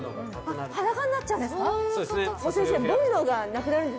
裸になっちゃうんですか？